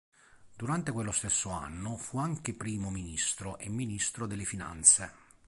Durante quello stesso anno fu anche primo ministro e ministro delle finanze.